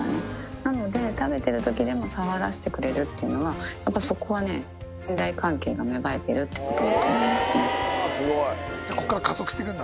なので、食べてるときでも触らせてくれるっていうのは、やっぱりそこはね、信頼関係が芽生えてるってことだと思いますよ。